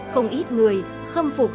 không ít người khâm phục